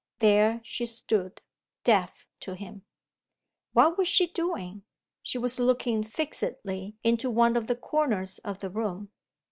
There she stood, deaf to him. What was she doing? She was looking fixedly into one of the corners of the room.